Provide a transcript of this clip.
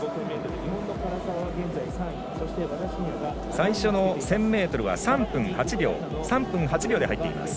最初の１０００ｍは３分８秒で入っています。